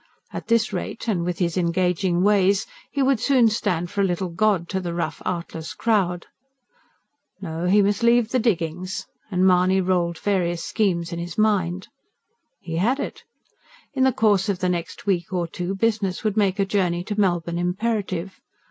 At this rate, and with his engaging ways, he would soon stand for a little god to the rough, artless crowd. No, he must leave the diggings and Mahony rolled various schemes in his mind. He had it! In the course of the next week or two business would make a journey to Melbourne imperative.